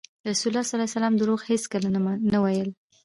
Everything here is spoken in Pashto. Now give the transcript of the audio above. رسول الله ﷺ دروغ هېڅکله نه ویل.